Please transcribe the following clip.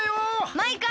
マイカ！